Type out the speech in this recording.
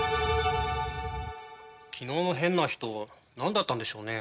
昨日の変な人なんだったんでしょうね？